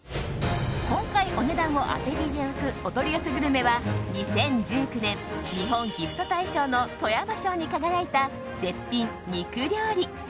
今回お値段を当てていただくお取り寄せグルメは２０１９年、日本ギフト大賞の富山賞に輝いた絶品肉料理。